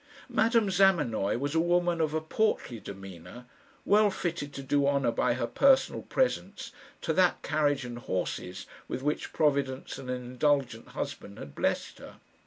Madame Zamenoy was a woman of a portly demeanour, well fitted to do honour by her personal presence to that carriage and horses with which Providence and an indulgent husband had blessed her.